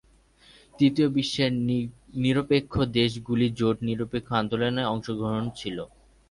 তৃতীয় বিশ্বের নিরপেক্ষ দেশগুলি জোট নিরপেক্ষ আন্দোলনের অংশ ছিল।